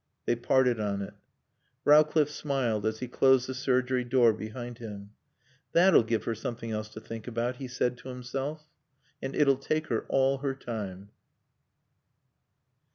They parted on it. Rowcliffe smiled as he closed the surgery door behind him. "That'll give her something else to think about," he said to himself. "And it'll take her all her time."